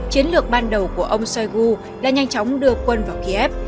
chiến lược ban đầu của ông shoigu đã nhanh chóng đưa quân vào kiev